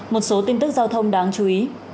một số tin tức giao thông đáng chú ý